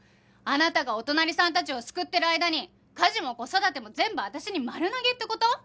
あなたがお隣さんたちを救ってる間に家事も子育ても全部私に丸投げって事？